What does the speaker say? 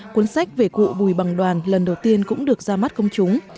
cuốn sách về cụ bùi bằng đoàn lần đầu tiên cũng được ra mắt công chúng